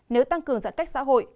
nếu tăng cường giãn cách xã hội